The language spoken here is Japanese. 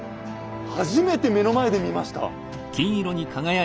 初めて目の前で見ました。